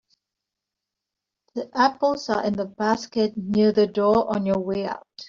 The apples are in the basket near the door on your way out.